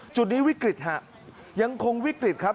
จุดนี้วิกฤตฮะยังคงวิกฤตครับ